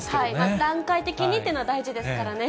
段階的にというのは大事ですからね。